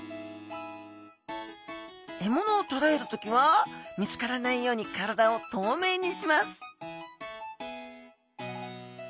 獲物をとらえる時は見つからないように体を透明にします